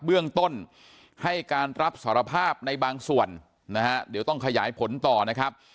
เบื้องต้นให้การรับสารภาพในบางส่วนนะฮะเดี๋ยวต้องขยายผลต่อนะครับ